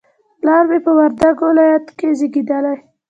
پلار مې په وردګ ولایت کې زیږدلی